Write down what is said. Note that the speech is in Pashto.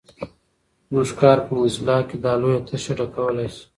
زموږ کار په موزیلا کې دا لویه تشه ډکولای شي.